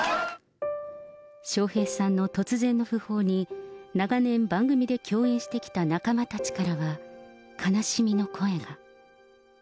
笑瓶さんの突然の訃報に、長年、番組で共演してきた仲間たちからは、悲しみの声が。